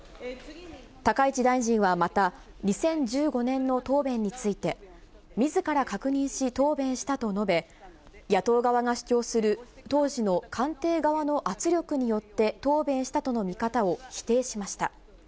高市大臣はまた、２０１５年の答弁について、みずから確認し、答弁したと述べ、野党側が主張する、当時の官邸側の圧力によって答弁したとの見方を否定しました。